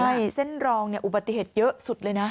ใช่เส้นรองเนี่ยอุบัติเหตุเยอะสุดเลยนะ